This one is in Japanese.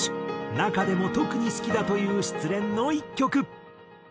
中でも特に好きだという失恋の１曲。